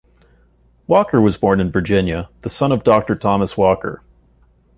Walker was born in Virginia, the son of Doctor Thomas Walker.